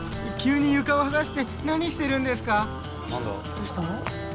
どうしたの？